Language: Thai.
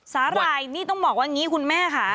หร่ายนี่ต้องบอกว่าอย่างนี้คุณแม่ค่ะ